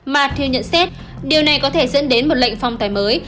mathieu nhận xét điều này có thể dẫn đến một lệnh phong tài mới